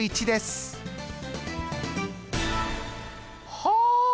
はあ！